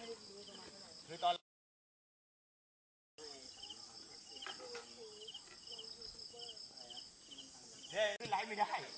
เวียนหัวไม่มาหรอกลูกไม่มาหรอก